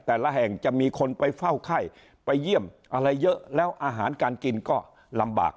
แต่ละแห่งจะมีคนไปเฝ้าไข้ไปเยี่ยมอะไรเยอะแล้วอาหารการกินก็ลำบาก